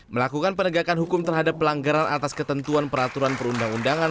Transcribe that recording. melakukan penegakan hukum terhadap pelanggaran atas ketentuan peraturan perundang undangan